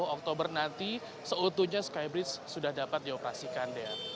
tiga puluh oktober nanti seutuhnya sky bridge sudah dapat dioperasikan